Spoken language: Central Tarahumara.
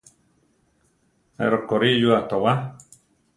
Ne rokorí yua towá.